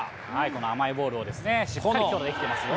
この甘いボールをしっかりとフォローできてますよ。